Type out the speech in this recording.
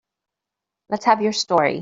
Let's have your story.